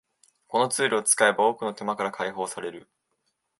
このツールを使えば多くの手間から解放される